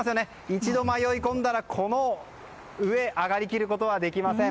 一度、迷い込んだらこの上、上がりきることはできません。